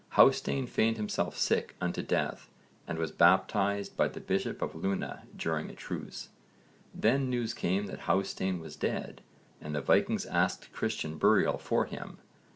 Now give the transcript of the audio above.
Hásteinn feigned himself sick unto death and was baptised by the bishop of Luna during a truce. Then news came that Hásteinn was dead and the Vikings asked Christian burial for him.